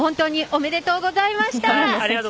おめでとうございます！